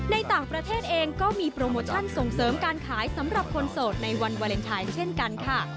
ในต่างประเทศเองก็มีโปรโมชั่นส่งเสริมการขายสำหรับคนโสดในวันวาเลนไทยเช่นกันค่ะ